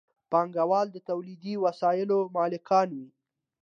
پانګوال د تولیدي وسایلو مالکان وي.